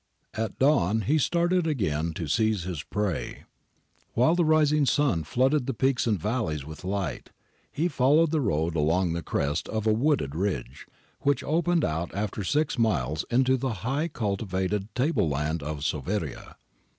^ At dawn he started on again to seize his prey. While the rising sun flooded the peaks and valleys with light, he followed the road along the crest of a wooded ridge, which opened out after six miles into the high cultivated table land of Soveria.